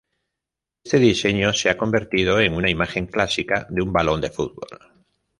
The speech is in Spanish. Este diseño se ha convertido en una imagen clásica de un balón de fútbol.